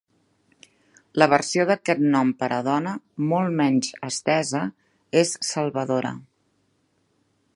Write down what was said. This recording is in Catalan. La versió d'aquest nom per a dona, molt menys estesa, és Salvadora.